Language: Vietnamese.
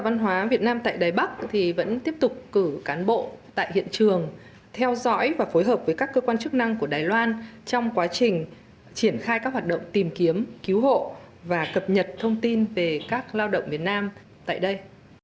văn hóa việt nam tại đài bắc vẫn tiếp tục cử cán bộ tại hiện trường theo dõi và phối hợp với các cơ quan chức năng của đài loan trong quá trình triển khai các hoạt động tìm kiếm cứu hộ và cập nhật thông tin về các lao động việt nam tại đây